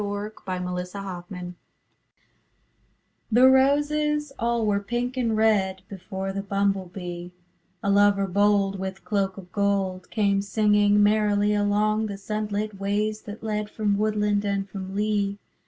HOW THE WHITE ROSE CAME The roses all were pink and red, Before the Bumble Bee, A lover bold, with cloak of gold, Came singing merrily Along the sunlit ways that led From woodland, and from lea.